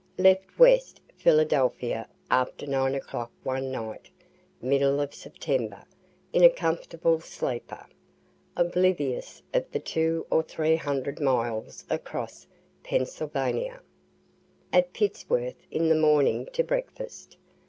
Left West Philadelphia after 9 o'clock one night, middle of September, in a comfortable sleeper. Oblivious of the two or three hundred miles across Pennsylvania; at Pittsburgh in the morning to breakfast.